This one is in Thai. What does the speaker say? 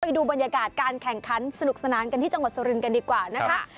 ไปดูบรรยากาศการแข่งขันสนุกสนานกันที่จังหวัดสุรินทร์กันดีกว่านะคะ